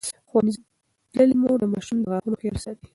ښوونځې تللې مور د ماشوم د غاښونو خیال ساتي.